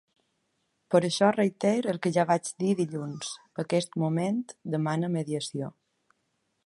Per això reitero el que ja vaig dir dilluns: aquest moment demana mediació.